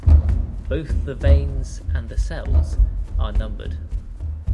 Both the veins and the cells are numbered.